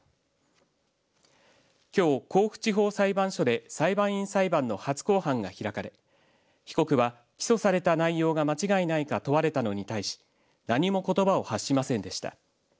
きょう甲府地方裁判所で裁判員裁判の初公判が開かれ被告は起訴された内容が間違いないか問われたのに対し何もことばを発しませんでした。